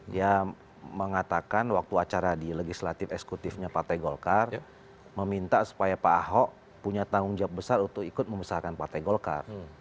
dia mengatakan waktu acara di legislatif eksekutifnya partai golkar meminta supaya pak ahok punya tanggung jawab besar untuk ikut membesarkan partai golkar